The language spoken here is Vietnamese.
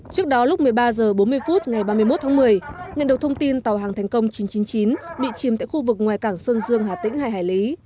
trước đó lúc một mươi ba h bốn mươi phút ngày ba mươi một tháng một mươi nhân được thông tin tàu hàng thành công chín trăm chín mươi chín bị chìm tại khu vực ngoài cảng sơn dương hà tĩnh hai hải lý